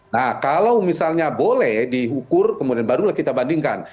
nah kalau misalnya boleh diukur kemudian barulah kita bandingkan